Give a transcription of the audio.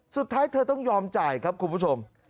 สุดท้ายเธอต้องยอมจ่ายครับคุณผู้ชม